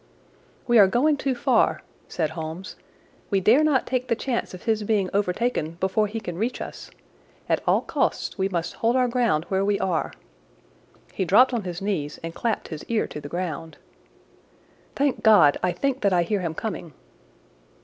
"We are going too far," said Holmes. "We dare not take the chance of his being overtaken before he can reach us. At all costs we must hold our ground where we are." He dropped on his knees and clapped his ear to the ground. "Thank God, I think that I hear him coming."